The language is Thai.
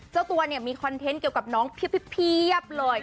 เจ้าตัวเนี่ยมีคอนเทนต์เกี่ยวกับน้องเพียบเลย